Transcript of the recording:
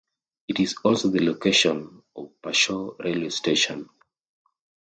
It is also the location of Pershore railway station.